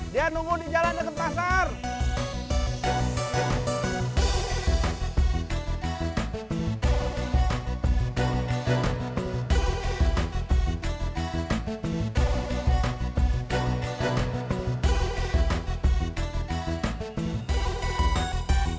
dia nunggu di jalan deket pasangan